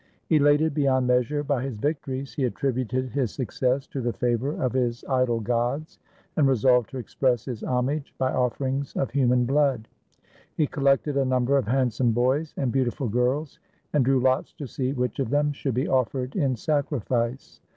Elated beyond measure by his victories, he attributed his success to the favor of his idol gods, and resolved to express his homage by offerings of human blood. He col lected a number of handsome boys and beautiful girls, and drew lots to see which of them should be offered in sacrifice.